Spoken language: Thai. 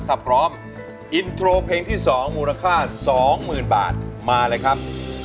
ถ้าพร้อมอินโทรเพลงที่๒มูลค่า๒๐๐๐บาทมาเลยครับ